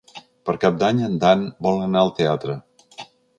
Per Cap d'Any en Dan vol anar al teatre.